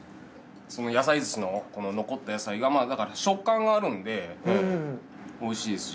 野菜寿司の残った野菜が食感があるのでおいしいですし。